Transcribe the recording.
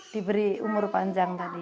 diberi umur panjang tadi